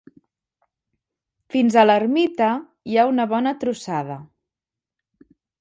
Fins a l'ermita, hi ha una bona trossada.